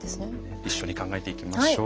一緒に考えていきましょう。